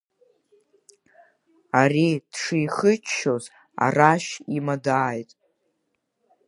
Ари дшихыччоз, арашь има дааит.